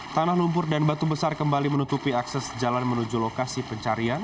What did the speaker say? tanah lumpur dan batu besar kembali menutupi akses jalan menuju lokasi pencarian